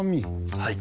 はい。